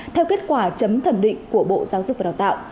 theo kết quả chấm thẩm định của bộ giáo dục và đào tạo